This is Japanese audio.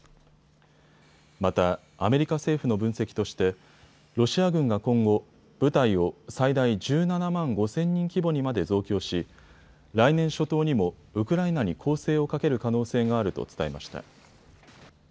またアメリカ政府の分析としてロシア軍が今後、部隊を最大１７万５０００人規模にまで増強し、来年初頭にもウクライナに攻勢をかける可能性があると伝えました。